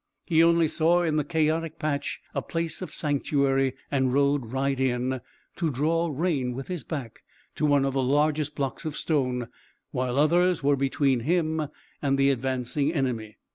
He only saw in the chaotic patch a place of sanctuary, and rode right in, to draw rein with his back to one of the largest blocks of stone, while others were between him and the advancing enemy.